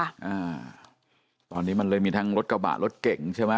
อ่าตอนนี้มันเลยมีทั้งรถกระบะรถเก่งใช่ไหม